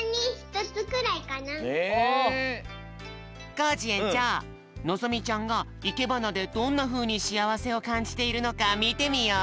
コージえんちょうのぞみちゃんがいけばなでどんなふうにしあわせをかんじているのかみてみよう！